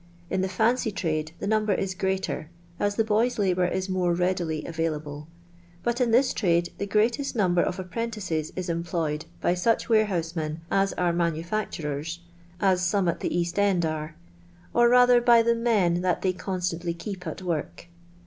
In the &icy tnide the number is greater, as the boys' labour is more readily avaihible ; but in this trade the greatest number of apprentices is employed by such warehouK'mcn as sire manufacturers, as some at the P^ast end are, or rather by the men that they constantly keep at work.